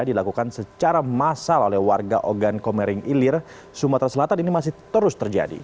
dilakukan secara massal oleh warga ogan komering ilir sumatera selatan ini masih terus terjadi